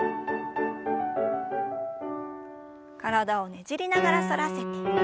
体をねじりながら反らせて。